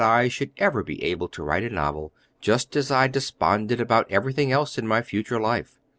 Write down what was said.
I should ever be able to write a novel, just as I desponded about everything else in my future life.